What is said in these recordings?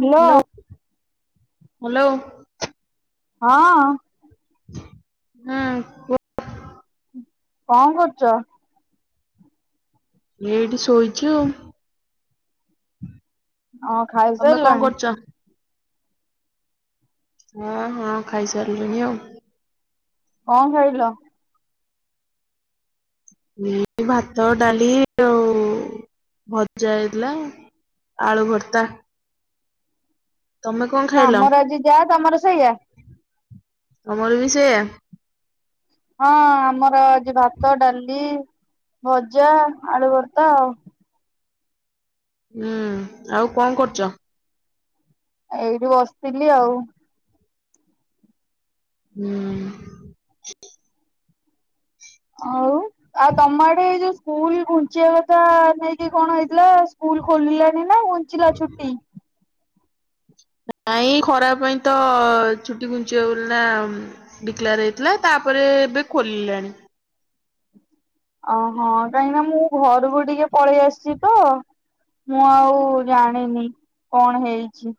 Hello. Hello. ହଁ।। ହୁଁ କୁହ। କଣ କରୁଛ? ଏଇଠି ଶୋଇଛି ଆଉ। ହଁ ତମେ କଣ ଖାଇସାରିଲଣି? କରୁଛ? ହଁ ହଁ ଖାଇ ସାରିଲିଣି ଆଉ। କଣ ଖାଇଲ? ଏଇ ଭାତ ଡାଲି ଆଉ ଭଜା ହେଇଥିଲା। ଆଳୁ ଭରତା। ହଁ ଆମର ଆଜି ଯାଆ ତମର ସେୟା। ତମର ବି ସେୟା। ହଁ ଆମର ଆଜି ଭାତ ଡାଲି ଭଜା ଆଳୁ ଭତ୍ରା ଆଉ ହୁଁ ଆଉ କଣ କରୁଛ? ଏଇଠି ବସିଥିଲି ଆଉ। ହୁଁ। ଆଉ ଆଉ ତମଆଡେ ଯୋଉ ସ୍କୁଲ ଘୁଞ୍ଚିବା କଥା ନେଇକି କଣ ହେଇଥିଲା ସ୍କୁଲ ଖୋଲିଲା ନା ଘୁଞ୍ଚିଲା ଛୁଟି। ନାଇଁ ଖରା ପାଇଁ ତ ଛୁଟି ଘୁଞ୍ଚିବ ବୋଲି ନା ଡିକଲାର ହେଇଥିଲା ତା ତାପରେ ଏବେ ଖୋଲିଲାଣି। ଓହୋ କାହିଁକି ନା ମୁଁ ଘରକୁ ଟିକେ ପଳେଇ ଆସିଛି ତ। ମୁଁ ଆଉ ଜାଣିନି କଣ ହେଇଛି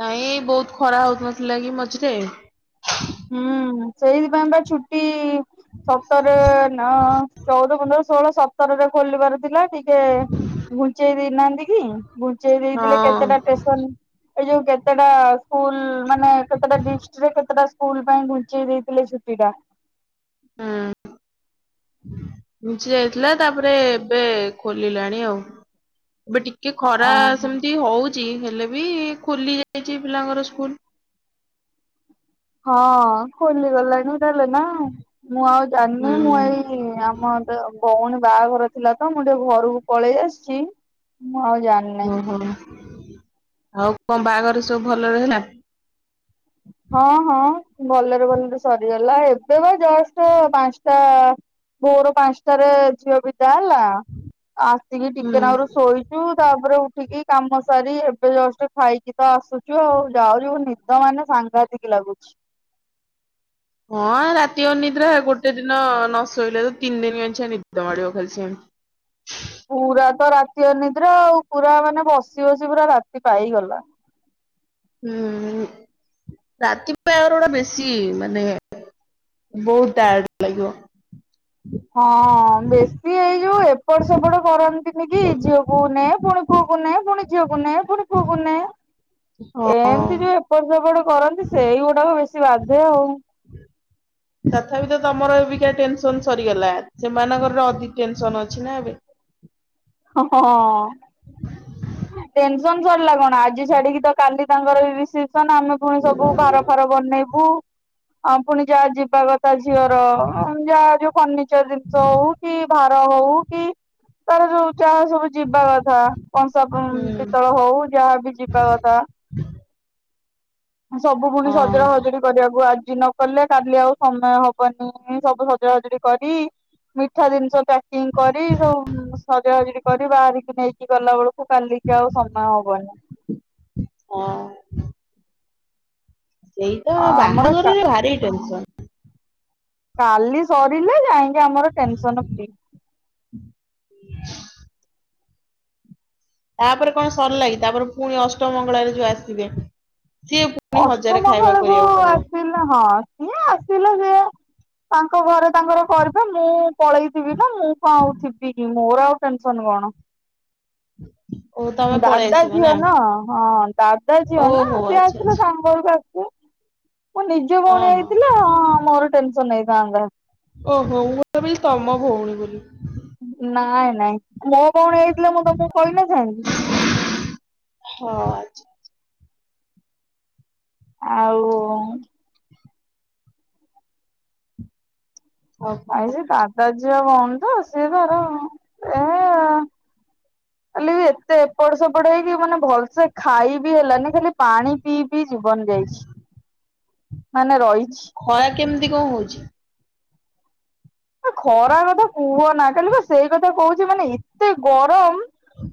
ନାଇଁ ବହୁତ ଖରା ହଉନଥିଲା କି ମଝିରେ ହୁଁ ସେଇଥିପାଇଁ ବା ଛୁଟି ସତର ନା ଚଉଦ ପନ୍ଦର ଷୋହଳ ସତରରେ ଖୋଲିବାର ଥିଲା ଟିକେ ଘୁଞ୍ଚେଇ ଦେଇନାହାନ୍ତି କି ଘୁଞ୍ଚେଇ ଦେଇଥିଲେ କେତେଟା ହଁ ଟେସନ ଏଇ ଯୋଉ କେତେଟା ସ୍କୁଲ ମାନେ କେତେଟା ଡିଷ୍ଟରେ କେତେଟା ସ୍କୁଲ ପାଇଁ ଘୁଞ୍ଚେଇ ଦେଇଥିଲେ ଛୁଟି ଟା। ହୁଁ ଯାଇଥିଲା ତାପରେ ଏବେ ଖୋଲିଲାଣି ଆଉ। ଏବେ ଟିକେ ଖରା ଓହୋ। ସେମିତି ହଉ ହେଲେ ବି ଖୋଲିଯାଇଛି ପିଲାଙ୍କର ସ୍କୁଲ। ହଁ ଖୋଲିଗଲାଣି। ଲେ ନା ମୁଁ ଆଉ ଜାଣିନି ମୁଁ ହୁଁ ଏଇ ଆମ ଭଉଣୀ ବାହାଘର ଥିଲା ତ ମୁଁ ଟିକେ ଘରକୁ ପଳେଇ ଆସିଛି ମୁଁ ଆଉ ଜାଣିନାଇ। ଓହୋ ଆଉ କଣ ବାହାଘର ସବୁ ଭଲରେ ହେଲୋ? ହଁ-ହଁ। ଭଲରେ-ଭଲରେ ସରିଗଲା ଏବେ ବା ଜଷ୍ଟ ପାଞ୍ଚଟା ଭୋର ପାଞ୍ଚଟାରେ ଝିଅ ବି ବିଦାହେଲା ଆସିକି ଟିକେ ହୁଁ ନାକରୁ ଶୋଇଛୁ ତାପରେ ଉଠିକି କାମ ସାରି ଏବେ ଜଷ୍ଟ ଖାଇକି ତ ଆସୁଛୁ ଆଉ ଯାଉଛି ନିଦ ମାନେ ସଙ୍ଗାତିକ୍ ଲାଗୁଛି। ହଁ ରାତି ଅନିଦ୍ରା ଗୋଟେ ଦିନ ନ ଶୋଇଲେ ତ ତିନି ଦିନ ନିଦ ମାଡିବ ଖାଲି ସେ [inaudible] ପୁରା ତ ରାତି ଅନିଦ୍ରା ଆଉ ପୁରା ମାନେ ବସି-ବସି ପୁରା ରାତି ପାଇଗଲା। [inaudible] ହୁଁ ରାତିପାଇବାର ବେଶୀ ମାନେ ବହୁତ ଟାଏଡ ଲାଗିବ। ହଁ ବେଶୀ ଏଇ ଯୋଉ ଏପଟ ସେପଟ କରନ୍ତିନି କି ଝିଅକୁ ନେ ପୁଣି ପୁଅକୁ ପୁୁଅକୁ ନେ ପୁଣି ଝିଅକୁ ନେ ପୁଣି ପୁଅକୁ ନେ। ହଁ। ଏମିତି ଯୋଉ ଏପଟ ସେପଟ କରନ୍ତି ସେଇଗୁଡାକ ବେଶୀ ବାଧେ ଆଉ। ତଥାପି ତ ତମର ଏକୱକା ଟେନସନ ସରିଗଲା ସେମାନଙ୍କର ଅଧିକ ଟେନସନ ଅଛି ନା ଏବେ। [inaudible] ହଁ। [inaudible] ଟେନସନ ସରିଲା କଣ ଆଜି ଛାଡିକି ତ କାଲି ତାଙ୍କର ରିସେପ ସନ ଆମେ ପୁଣି ସବୁ ଭାର ଫାର ବନେଇବୁ ଆଉ ପୁଣି ଯାହା ଯିବା କଥା ତା ଝିଅର ଯା ଯୋଉ ଫର୍ଣ୍ନିଚର ଜିନିଷ ହଉ କି ହଉ କି ତାର ଯୋଉ ଚାହା ସବୁ ଯିବା କଥା ହୁଁ। ପିତଳ ହଉ ଯାହାବ ଯିବା କଥା। ସବୁ ପୁଣି ସଜଡ଼ା ହଁ ବଜଡା କରିବାକୁ ଆଜି ନ କଲେ କାଲି ଆଉ ସମୟ ହବନି ସବୁ ହଜଡା ହଜଡି କରି ମିଠା ଜିନିଷ ପ୍ୟାକିଙ୍ଗ କରି ସବୁ ସଜା ସୁଜୁଡି କରି ବାହାରିକି ନେଇକି ଗଲା ବେଳକୁ କାଲିକି ଆଉ ସମୟ ହବନି। ହଁ ସେଇ ତ ଆମର ଟା ବାହାଘରରେ ଭାରି ଟେନସନ। କାଲି ସରିଲା ଯାଇକି ଆମର ଟେନସନ ଫ୍ରି। ତାପରେ କଣ ସରିଲାଗି ତାପରେ ପୁଣି ଅଷ୍ଟମ ମଙ୍ଗଳରେ ଯୋଉ ଆସିବେ। ସିଏ ପୁଣି ଅଷ୍ଟମ ହଜାରେ ଖାଇବା ବଙ୍ଗଳକୁ କରିବାକୁ ପଡିବ। ଆସିଲ ହଁ। ଇଏ ଆସିଲ ସେ ତାଙ୍କ ଘରେ ତାଙ୍କର କରିବେ ମୁଁ ପଳେଇଥିବି ନା ମୁଁ କଣ ଆଉ ଥିବି କି ମୋର ଆଉ ଟେନସନ କଣ। [inaudible] ପଳେଇ ଦାଦା ଆସିବ ଝିଅ ନା ହଁ ଦାଦା ଝିଅ ନା ଓହୋ ସିଏ ଆଚ୍ଛା ଆସିଲେ ଆଚ୍ଛା ଆ ମୁଁ ନିଜେ ହଁ ଭଉଣୀ ହଁ। ହେଇଥିଲେ ହଁ ମୋର ଟେନସନ ହୋଇଥାନ୍ତା। ଓହୋ ମୁଁ ଭାବିଲି ତମ ଭଉଣୀ ବୋଲି। ନାଇଁ ନାଇଁ ମୋ ହେଇଥିଲେ ମୁଁ ତମକୁ କହିନ ଥାନ୍ତି। ହଁ। ଆଉ। ଆଉ ସେ ଦାଦା ଝିଅ ଭଉଣି, ତ ସିଏ ତାର, ଏ- କାଲି ଏତେ ଏପଟ, ସେପଟ ହେଇକି, ମାନେ ଭଲସେ ଖା ଖାଇ ବିି ହେଲାନି, ଖାଲି ପାଣି ପିଇ, ପି ଜୀବନ ଯାଇଛି। ମାନେ ରହି ଖରା କେମିତି କଣ, ହଉଛି? ଆ' ଖରା କଥା କୁହନା, ଖାଲି ବା ସେଇ କଥା କହୁଛି, ମାନେ ଏତେ ଗରମ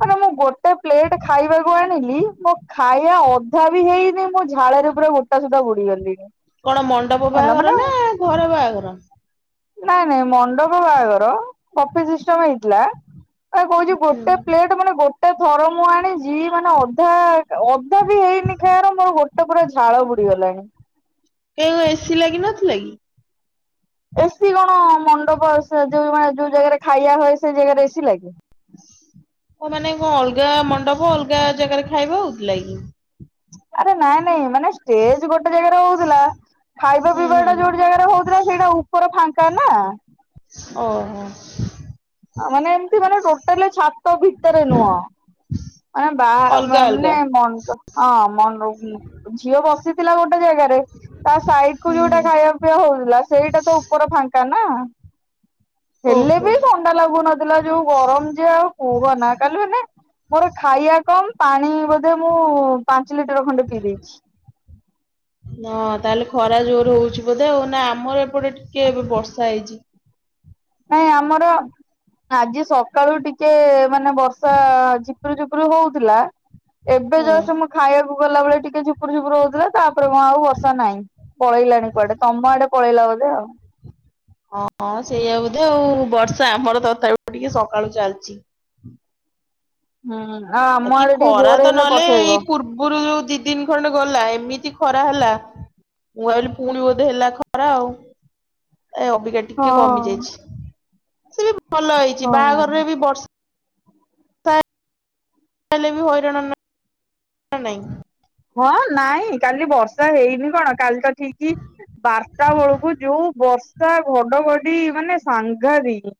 ମାନେ ମୁଁ, ଗୋଟେ ପ୍ଲେଟ ଖାଇବାକୁ ଆଣିଲି। ମୁଁ ଖାଇ ଏ ଅଧା ବି ହେଇନି, ମୋ ଝାଳରେ ପୁରା ଗୋଟା ସୁଦ୍ଧା ବୁଡି ଗଲିଣି। କଣ, ମଣ୍ଡପ ବାହାଘର ନା? ଘର ବାହାଘର? ନାଇଁ, ନାଇଁ ମଣ୍ଡପ ବାହାଘର। ବମ୍ଫେ ସିଷ୍ଟମ ହେଇଥିଲା। ମୁଁ ପା କହୁଛି, ଗୋଟେ ପ୍ଲେଟ୍ ମାନେ ଗୋଟେ ଗୋଟେ ଥର ମୁଁ ଆଣିଛି। ମାନେ ଅଧା, ଅଧା ବି ହେଇନି ଖାଇବାର ମୋର ଗୋଟେ ପୁରା ଝାଳ ବୁଡି ଗଲାଣି। କେ, ବେ ଏସି ଲାଗି ନଥିଲା କି? ଏସିି କଣ, ମଣ୍ଡପ ସେ ଯୋଉ ମାନେ, ଯୋଉ ଜାଗାରେ ଖାଇବା ହୁଏ, ସେଇ ଜାଗାରେ ଏସି ଲାଗେ? ଅ ମାନେ କଣ, ଅଲଗା ମଣ୍ଡପ ଅଲଗା ଜାଗାରେ ଖାଇବା ହଉଥିଲା କିି? ଆରେ ନାଇଁ, ନାଇଁ ମାନେ ଷ୍ଟେଜ ଗୋଟେ ଜାଗାରେ ହଉଥିଲା। ଖାଇବା, ହୁଁ ପିଇବା ଟା ହୁଁ ଯୋଉଠି ଜାଗାରେ ହଉଥିଲା। ସେଇଟା ଉପର ଫାଙ୍କା ନା। ଓ ହୋ। ଆ, ମାନେ ଏମତି ମାନେ, ଟୋଟାଲି ଛାତ ଭିତରେ ନୁହଁ। ମାନେ ବାହା ଅଲଗା ମାନେ, ଅଲଗା। ମଣ୍ଡ- ହଁ, ମଣ୍ଡପ ଝିଅ ବସିଥିଲା ଗୋଟେ ଗୋଟେ ଜାଗାରେ। ତା ସାଇଡ କୁ ହୁଁ ବି ଗୋଟେ ହୁଁ ଖାଇବା, ପିଇବା ହଉଥିଲା। ସେଇଟା ତ ଉପର ଫାଙ୍କା ନା। ହେଲେ ଓହୋ। ବି ଥଣ୍ଡା ଲାଗୁନଥିଲା। ଯୋଉ ଗରମ, ଯେ ଆଉ କହ ନା କାଲି ମାନେ ମୋର ଖାଇବା କମ, ପାଣି ବୋଧେ ମୁଁ ପାଞ୍ଚ ଲିଟର, ଖଣ୍ଡେ ପିଇ ଦେଇେଛି। [inaudible] ହଁ, ତାହେଲେ ଖରା ଜୋରେ ହଉଛି ବୋଧେ? ନା ଆମର ଏପଟେ ଟିକେ, ଏବେ ବର୍ଷା ହେଇଛି। ନାଇଁ ଆମର, ଆଜି ସକାଳୁ ଟିକେ ମାନେ ବର୍ଷା ଝି ଝୁପୁର, ଝୁପୁର ହଉଥିଲା। ଏବେ ହୁଁ। ଯଷ୍ଟ, ମୁ ଖାଇବାକୁ ଗଲାବେଳେ, ଟିକେ ଝୁପୁର, ଝୁପୁର ହଉଥିଲା। ତା ଏପଟେ ଆଉ'ବର୍ଷା ନାହିଁ। ପଳେଇଲାଣି କୁଆଡେ? ତମ ଆଡେ ପଳେଇଲା ବୋଧେ ଆଉ? ହଁ ସେଇଆ ବୋଧେ ଆଉ ବର୍ଷା ଆମର, ତଥାପି ଟିକେ ସକାଳୁ ଚାଲିଛି। ହୁଁ। ଆଉ ଆମ ଆ କିି ଆଡେ ଟିକେ ଖରା ଜୋରରେ ତ ହେଲେ ନହେଲେ, ପଠେଇବ। ଏଇ ପୂର୍ବରୁ ଯୋଉ ଦି, ଦିନ ଖଣ୍ଡେ ଗଲା ଏ ଏମିତି ଖରା ହେଲା। ମୁଁ ଭାବିଲି, ପୁଣି ବୋଧେ ହେଲା ଖରା ଆଉ। ଏ ଅବିକା ଟିକେ, ହଁ କମି ଯାଇଛି। ସେ ବି ଭଲ ହେଇଛି। ହଉ। ବାହାଘରରେ ବି ବର୍ଷା ର୍ଷା, ହେଲେବି ହୋଇରାଣ, ନା ନାଇଁ। ହଁ ନାଇଁ, କାଲି ବର୍ଷା ହେଇନି କଣ, କାଲି ତ ଠିକ ବାରଟା ବେଳକୁ ଯୋଉ ବର୍ଷା, ଘଡଘଡି ମାନେ ସାଙ୍ଘାତିକ।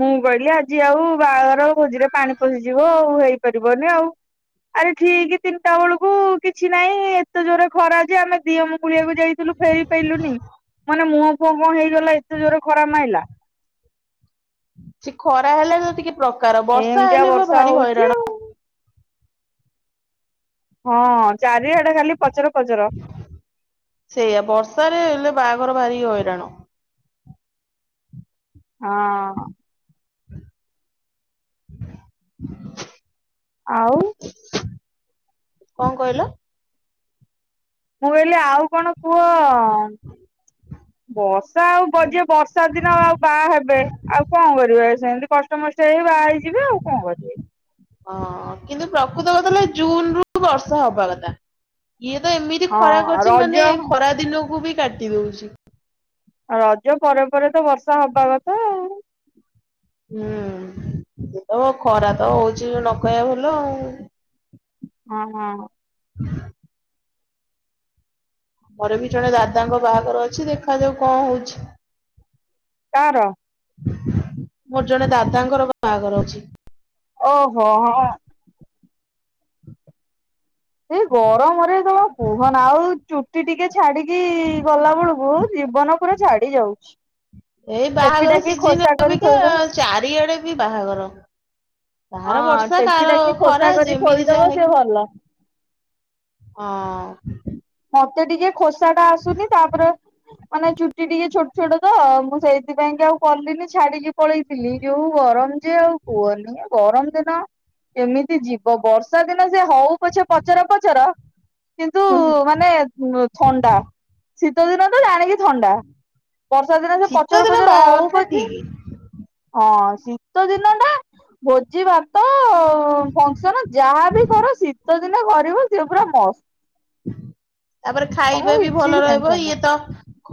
ମୁଁ କହିଲି, ଆଜି ଆଉ ବାହାଘର ଭୋଜିରେ ପାଣି ପଶିଯିବ। ଆଉ ହେଇପାରିବନି ଆଉ। ଆରେ ଠିିକ, ତିନିଟା ବେଳକୁ କିଛି ନାହିଁ। ଏତେ ଜୋରେ ଖରା ଯେ ଆମେ ଦିଅ ମଗୁଳିଆକୁ ଯାଇଥିଲୁ, ଫେରି ପାରିଲୁନି। ମାନେ ମୁହଁ ମୋ ମୁହଁ ହେଇଗଲା। ଏତେ ଜୋରେ ଖରା ମାଇଲା। ସେ ଖରା ହେଲେ ତ ଟିକେ ପ୍ରକାର, ବର୍ଷା ଏମିତିଆ ହେଲେ ବା ବର୍ଷା ଭାରି ହଉଛି ଆଉ। ହଇରାଣ। ହଁ ଚାରିଆଡେ ଖାଲି ପଚର, ପଚର। ସେଇଆ ବର୍ଷାରେ ହେଲେ ବାହାଘର, ଭାରି ହଇରାଣ। ହଁ। [inaudible] ଆଉ। କଣ, କହିଲ? ମୁଁ କହିଲି ଆଉ କଣ କୁହ? [inaudible] ବର୍ଷା ଆଉ ଯିଏ ବର୍ଷା ଦିନ ଆଉ ବାହା ହେବେ ଆଉ କଣ କରିବେ? ସେମତି କଷ୍ଟମଷ୍ଟ ହେଇ ବାହା ହେଇଯିବେ ଆଉ କଣ କରିବେ? ଅ କିନ୍ତୁ ପ୍ରକୃତ କଥା ହେଲା, ଜୁନ୍ ରୁ ବର୍ଷା ହବା କଥା। ଇଏ ତ ଏମିତି ଖରା ହଁ କରିଛି ରଜ ମାନେ ଖରାଦିନକୁ ବି କାଟି ଦଉଛି। ରଜ ପରେ ପରେ ତ ବର୍ଷା ହବା କଥା ଆଉ। ହୁଁ ଏବେ ତ ଖରା ତ ହଉଛି ନ କହିଆ ଭଲ ଆଉ। ହଁ ହଁ। ହ ମୋର ବି ଜଣେ ଦାଦାଙ୍କ ବାହାଘର ଅଛି ଦେଖାଯାଉ କଣ ହଉଛି? କାଆର? ମୋର ଜଣେ ଦାଦାଙ୍କର ବାହାଘର ଅଛି। ଓହୋ ହଁ। ସେଇ ଗରମରେ ତମେ କୁହନା। ଆଉ ଚୁଟି ଟିକେ ଛାଡିକି ଗଲା ବେଳକୁ, ଜୀବନ ପୁରା ଛାଡି ଯାଉଛି। ଏଇ ଟେକି ବାହାଘର ଟାକି ସିଜିନ ଖୋସା କରି ଅବିକା ଥୋଇଦଉ ଚାରିଆଡେ ବି ବାହାଘର। କାହାର ହଁ ବର୍ଷା, ଟେକି କାହାର ଟାକି ଖୋସା ଖରା, କରି ଯେମିତି ଥୋଇଦବ ଯାହା ସେ ହେଇଛି। ଭଲ। ହଁ। ମତେ ଟିକେ ଖୋସା ଟା ଆସୁନି ତାପରେ, ମାନେ ଚୁଟି ଟିକେ ଛୋଟ୍ ଛୋଟ ତ, ମୁଁ ସେଇଥିପାଇଁ କି ଆଉ କଲିନି ଛାଡିକି ପଳେଇଥିଲି, ଯୋଉ ଗରମ ଯେ ଆଉ କୁହନି। ଗରମ ଦିନ କେମିତି ଯିବ? ବର୍ଷା ଦିନ ସେ ହଉ ପଛେ ପଚର ପଚର କିନ୍ତୁ ହୁଁ ଉଁ ମାନେ ଥଣ୍ଡା। ଶୀତ ଦିନ ତ ଜାଣିକି ଥଣ୍ଡା। ବର୍ଷା ଦିନ ସେ ଶୀତ ପଚର ଦିନ ପଚର ବାହାଘର ହଉ ଟା ପଛେ ଠିକ ହଁ ଶୀତ ଦିନ ଟା, ଭୋଜି ଭାତ ଫଙ୍କ୍ସନ୍ ଯାହାବି କର ଶୀତ ଶୀତଦିନେ କରିବ ସିଏ ପୁରା ମସ୍ତ। ତାପରେ ତମକୁ ଖାଇବା ବି କିଛି ଭଲ ରହିବ। ଟେନସନ ଇଏ ନାହିଁ। ତ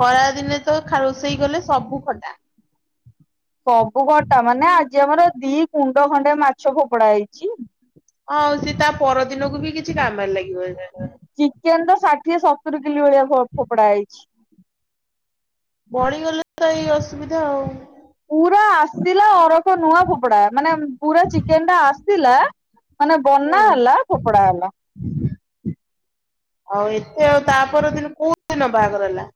ଖରାଦିନେ ତ ଖା ରୋଷେଇ କଲେ ସବୁ ଖଟା। ସବୁ ଖଟା ମାନେ, ଆଜି ଆମର ଦି କୁଣ୍ଡ ଖଣ୍ଡେ ମାଛ ଫୋପଡା ହେଇଛି। ହଁ ଆଉ ସେ ତା ପରଦିନକୁ ବି କିଛି କାମରେ ଲାଗିବନି। ଚିକେନ୍ ତ ଷାଠିଏ ସତୁରି କିଲି ଭଳିଆ ଫୋ-ଫୋପଡା ହେଇଛି। ବଢିଗଲେ ତ ଏଇ ଅସୁବିଧା ଆଉ। ପୁରା ଆସିଥିଲା ଅରଖ ନୂଆ ଫୋପଡ଼ା, ମାନେ ପୁରା ଚିକେନ ଟା ଆସିଥିଲା ମାନେ ବନା ହୁଁ ହେଲା, ଫୋପଡା ହେଲା। ଆଉ ଆଉ ତା ପର ଦିନ କୋଉ ଦିନ ବାହାଘର ହେଲା?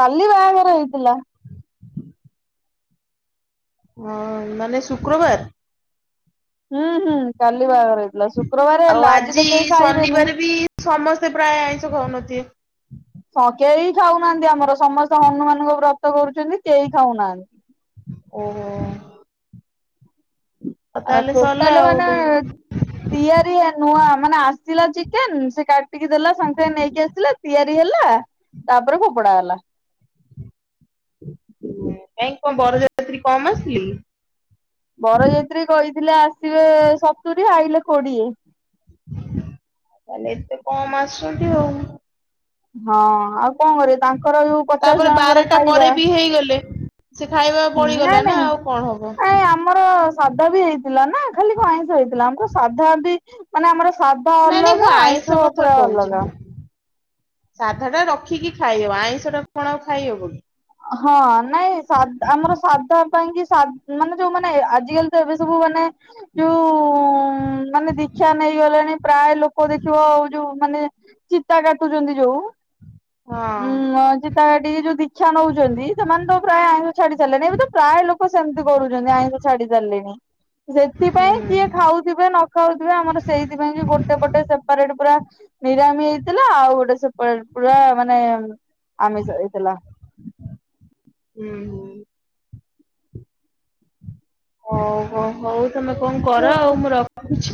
କାଲି ବାହାଘର ହେଇଥିଲା। ହଁ ମାନେ ଶୁକ୍ରବାର? ହୁଁ ହୁଁ କାଲି ବାହାଘର ହେଇଥିଲା ଶୁକ୍ରବାର ଆଉ ହେଲା ତ ଆଜି କେହି ଖାଇବେନି। ଶନିବାର ବି ସମସ୍ତେ ପ୍ରାୟ ଆଇଁଷ ଖାଉନଥିବେ। ସ କେହି ଖାଉନାହାଁନ୍ତି ଆମର, ସମସ୍ତେ ହନୁମାନଙ୍କୁ ବ୍ରତ କରୁଛ ଛନ୍ତି କେହି ଖାଉନାହାଁନ୍ତି। ଓହୋ ଆଉ ଆ ତାହେଲେ ସରିଲା ଟୋଟାଲ ଆଉ ମାନେ, ତିଆରି ନୂଆ ମାନେ ଆସିଲା ଯେ ଚିକେନ୍ ସେ କାଟିକି ଦେଲା ସାଙ୍ଗେ ସାଙ୍ଗେ ନେଇକି ଆସିଲେ ତିଆରି ହେଲା, ତାପରେ ଫୋପଡ଼ା ହେଲା। କାହିଁ କଣ ବରଯାତ୍ରୀ କମ ଆସିଥିଲେ କି? ବରଯାତ୍ରୀ କହିଥିଲେ ଆସିବେ ସତୁରୀ ଆଇଲେ କୋଡିଏ। ତାହେଲେ ଏତେ କମ ଆସିଚନ୍ତି ଆଉ। ହଁ ଆଉ କଣ କରିବି ତାଙ୍କର ଯୋଉ ପଚାଶ ତାପରେ ଜଣଙ୍କର ବାରଟା ପରେ ଖାଇବା ବି ହେଇଗଲେ ସେ ଖାଇବା ହୁଁ ବଳିଗଲା ନାଇଁ ନା ଆଉ କଣ ହବ ନାଇଁ ଏଇ ଆମର ସାଧା ବି ହେଇଥିଲା ନା! ଖାଲି କଣ ଆଇଁଷ ହେଇଥିଲା, ଆମକୁ ସାଧା ବି ମାନେ ଆମର ସାଧା ନାଇଁ ନାଇଁ ମୁଁ ଅଲଗା, ଆଇଁଷ କଥା ପୁରା କହୁଛି ଅଲଗା। ମୁଁ। ସାଧା ଟା ରଖିକି ଖାଇହବ ଆଇଁଷ ଟା ଆଉ କଣ ଖାଇ ହବ କି? ହଁ ନାଇଁ ସାଦ ଆମର ସାଧା ପାଇଁ କି ସା ମାନେ ଯୋଉ ମାନେ ଆଜିକାଲି ତ ଏବେ ସବୁ ମାନେ ଯୋଉ ମାନେ ଦିକ୍ଷା ନେ ଇଗଲେଣି ପ୍ରାୟ ଲୋକ ଦେଖିବ ଆଉ ଯୋଉ ମାନେ ଚିତା କାଟୁଛନ୍ତି ଯୋଉ ହଁ। ହୁଁ ଆ ଚିତା କାଟିକି ଯୋଉ ଦି କ୍ଷା ନଉଛନ୍ତି ସେମାନେ ତ ପ୍ରାୟ ଆଇଁଷ ଛାଡି ସାରିଲେଣି ଏବେ ତ ପ୍ରାୟ ଲୋକ ସେମିତି କରୁଛନ୍ତି ଆଇଁଷ ଛାଡି ସାରିଲେଣି ହୁଁ ସେଥିପାଇଁ କିଏ ହୁଁ ଖାଉଥିବେ ନ ଖାଉଥିବେ ଆମର ସେଇଥିପାଇଁ କି ଗୋଟେ ପଟେ ସେପାରେଟ ପୁରା ନିରାମି ହେଇଥିଲା ଆଉ ଗୋଟେ ସେପଟେ ପୁରା ମାନେ ଆମିଷ ହେଇଥିଲା। ହୁଁ ହୁଁ। ହଉ ହଉ ହଉ ତମେ କଣ କର ଆଉ ମୁଁ ରଖୁଛି।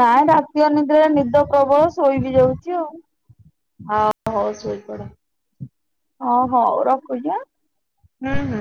ନାଇଁ ରାତି ଅନିଦ୍ରା ନିଦ ପ୍ରବଳ ଶୋଇ ବିି ଯାଉଛି ଆଉ। ହଁ ହଉ ସୋଇ ପଡ଼। ଅ ହଉ ରଖୁଛି ହାଁ। ହୁଁ ହୁଁ।